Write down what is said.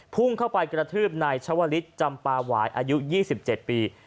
พุ่งเข้าไปกระทืบนายชวลิศจำปาหวายอายุ๒๗ปี